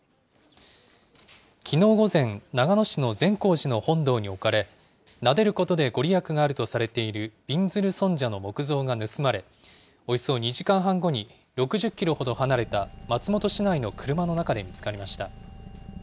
きのう午前、長野市の善光寺の本堂に置かれ、なでることで御利益があるとされている、びんずる尊者の木像が盗まれ、およそ２時間半後に、６０キロほど離れた松本市内の車の中で見つかりました。